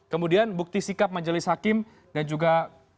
kemudian bukti sikap majelis hakim dan juga